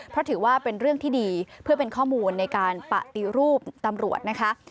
เพราะถือว่าเป็นเรื่องที่ดีเพื่อเป็นข้อมูลในการปฏิรูปตำรวจนะคะ